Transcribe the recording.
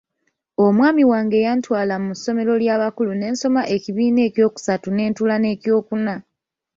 Omwami wange yantwala mu ssomero ly'abakulu ne nsoma ekibiina ekyokusatu ne ntuula n'ekyokuna.